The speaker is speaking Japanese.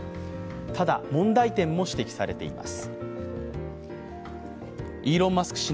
ただ問題点も指摘されています。